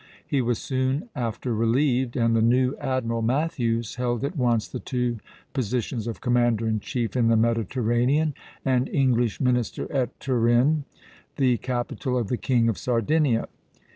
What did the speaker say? He was soon after relieved; and the new admiral, Matthews, held at once the two positions of commander in chief in the Mediterranean and English minister at Turin, the capital of the King of Sardinia.